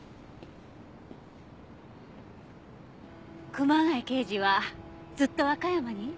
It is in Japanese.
熊谷刑事はずっと和歌山に？